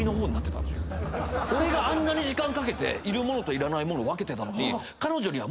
俺があんなに時間かけている物いらない物分けたのに。